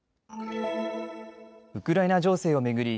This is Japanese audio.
ウクライナ情勢を巡り